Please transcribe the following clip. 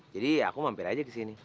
jadi aku mampir aja kesini